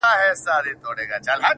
تا منلی راته جام وي د سرو لبو,